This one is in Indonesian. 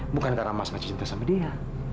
bukan karena mas masih cinta sama dia